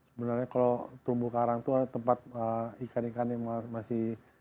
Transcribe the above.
sebenarnya kalau terumbu karang itu ada tempat ikan ikan yang masih